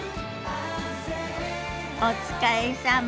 お疲れさま。